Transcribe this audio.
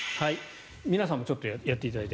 皆さんもちょっとやっていただいて。